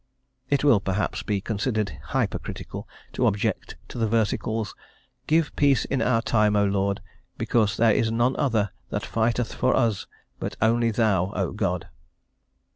It will, perhaps, be considered hypercritical to object to the versicles: "Give peace in our time, O Lord, because there is none other that fighteth for us but only thou, O God."